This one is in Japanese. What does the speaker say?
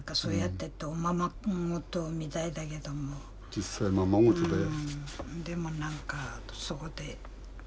実際ままごとだよ。